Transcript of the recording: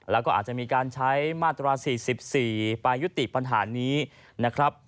แล้วก็อาจจะมีการใช้มาตรา๔๔ไปยุติปัญหานี้นะครับ